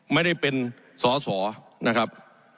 ไม่ได้เป็นสอสอนะครับ